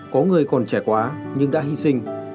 có người còn trẻ quá nhưng đã hy sinh